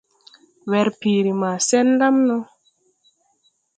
Werpiiri maa sen lam no.